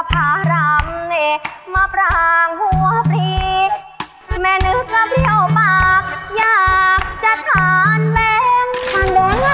จากหัวปลีแมนนึกกระเปรียวปากอยากจะทานแบงก์